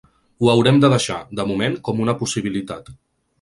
Ho haurem de deixar, de moment, com una possibilitat.